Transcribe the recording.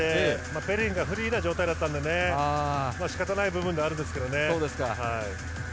ペリンがフリーな状態だったので仕方ない部分ではあるんですけどね。